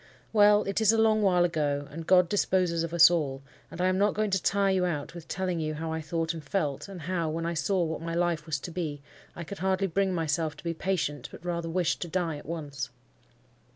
Well, it is a long while ago, and God disposes of us all, and I am not going to tire you out with telling you how I thought and felt, and how, when I saw what my life was to be, I could hardly bring myself to be patient, but rather wished to die at once.